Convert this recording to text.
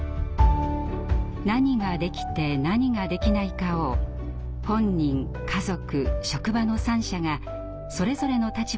「何ができて何ができないか」を本人・家族・職場の三者がそれぞれの立場で確認します。